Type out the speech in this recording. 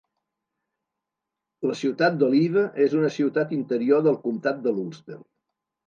La ciutat d'Olive és una ciutat interior del comtat de l'Ulster.